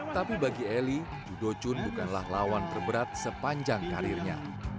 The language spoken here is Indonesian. tapi bagi eli judo chun bukanlah lawan terberat sepanjang karirnya